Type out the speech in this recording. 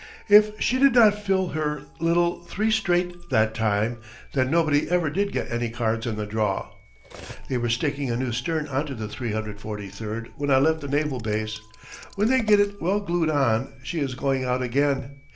If she did not fill her little three straight that time then nobody ever did get any cards in the draw. They were sticking a new stern onto the 343 when I left the naval base. When they get it well glued on she is going out again.